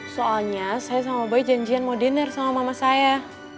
soalnya saya sama bayi janjian mau dinner sama mama saya